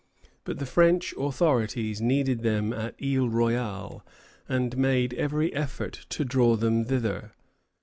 But the French authorities needed them at Isle Royale, and made every effort to draw them thither.